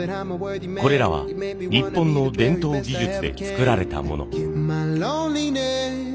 これらは日本の伝統技術で作られたもの。